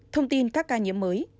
một thông tin các ca nhiễm mới